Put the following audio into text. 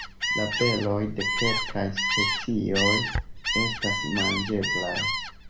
La beroj de kelkaj specioj esta manĝeblaj.